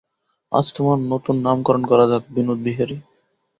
আজ তোমার নূতন নামকরণ করা যাক-বিনোদ-বিহারী।